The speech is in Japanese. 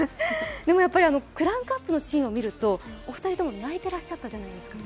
クランクアップのシーンを見ると、お二人とも泣いていらっしゃったじゃないですか。